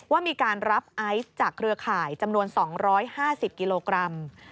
ว่ามีการรับไอซ์จากเครือข่ายจำนวน๒๕๐กิโลกรัม